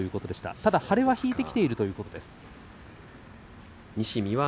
ただ腫れは引いてきているということでした。